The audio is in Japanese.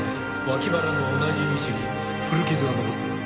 脇腹の同じ位置に古傷が残っていた。